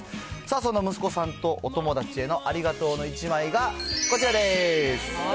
その息子さんとお友達へのありがとうの１枚がこちらです。